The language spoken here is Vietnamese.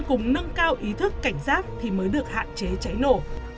cùng nâng cao ý thức cảnh giác thì mới được hạn chế cháy nổ